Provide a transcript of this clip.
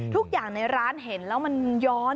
ทุกอย่างในร้านเห็นแล้วมันย้อน